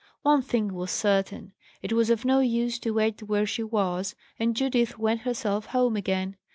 One thing was certain: it was of no use to wait where she was, and Judith went herself home again.